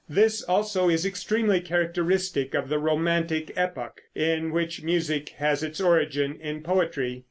This, also, is extremely characteristic of the romantic epoch, in which music has its origin in poetry.